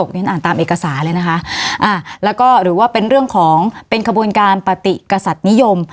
เรียนอ่านตามเอกสารเลยนะคะแล้วก็หรือว่าเป็นเรื่องของเป็นขบวนการปฏิกษัตริย์นิยม